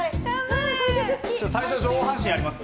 最初、上半身やります。